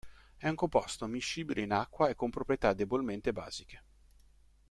È un composto miscibile in acqua e con proprietà debolmente basiche.